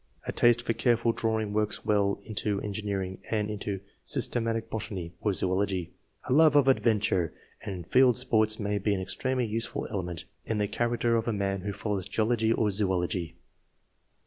A taste for careful drawing works well into en gineering and into systematic botany or zoology. A love of adventure and field sports may be an extremely useful element in the character of a man who follows geology or zoology.